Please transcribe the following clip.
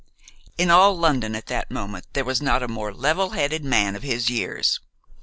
In all London at that moment there was not a more level headed man of his years.